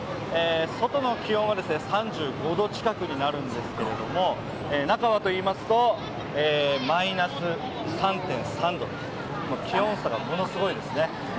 外の気温は３５度近くになるんですけれども中はといいますとマイナス３．３度、気温差がものすごいですね。